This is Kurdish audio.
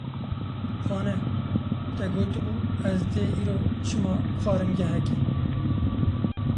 Pane, te got bû, ez dê îro çima xwaringehekê